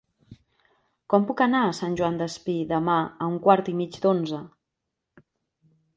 Com puc anar a Sant Joan Despí demà a un quart i mig d'onze?